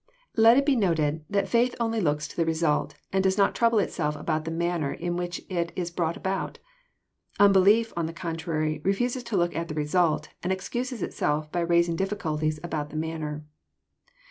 Let it be noted, that faith only looks to^the result, and does not trouble itself about the manner iu which it is brought about. Unbelief, on the contrary, reflises to look at the result^ and excuses itself by raising difficulties about the manner.